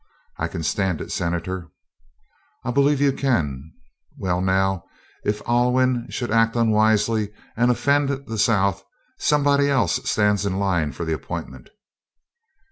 "I can stand it, Senator." "I believe you can. Well, now, if Alwyn should act unwisely and offend the South, somebody else stands in line for the appointment."